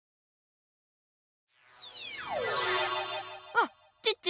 あっチッチ。